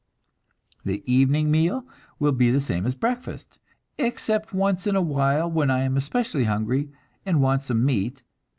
The evening meal will be the same as the breakfast; except once in a while when I am especially hungry, and want some meat.